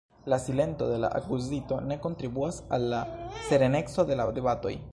La silento de la akuzito ne kontribuas al la sereneco de la debatoj.